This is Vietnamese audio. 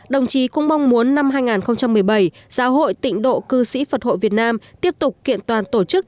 đồng chí cũng mong muốn năm hai nghìn một mươi bảy giáo hội tịnh độ cư sĩ phật hội việt nam tiếp tục kiện toàn tổ chức